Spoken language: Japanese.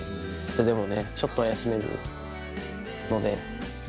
でもねちょっとは休めるので。